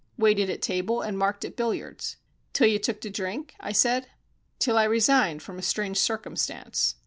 "Waited at table and marked at billiards." "Till you took to drink?" I said. "Till I resigned from a strange circumstance."